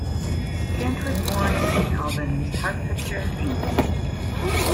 Kent was born in Saint Albans, Hertfordshire, England.